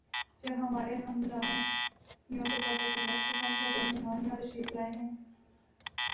جب ہمارے ہمراہیوں کو پتہ چلا کہ ہم بطور مہمان یہاں تشریف لائے ہیں